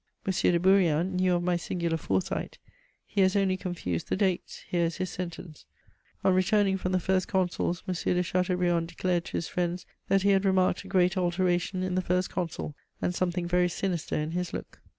M. de Bourrienne knew of my singular foresight: he has only confused the dates; here is his sentence: "On returning from the First Consul's, M. de Chateaubriand declared to his friends that he had remarked a great alteration in the First Consul, and something very sinister in his look."